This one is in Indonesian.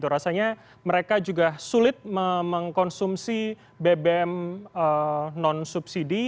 rasanya mereka juga sulit mengkonsumsi bbm non subsidi